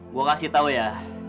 gue kasih tau ya